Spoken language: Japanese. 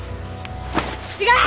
違う！